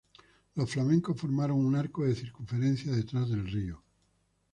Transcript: Los flamencos formaron un arco de circunferencia detrás del río.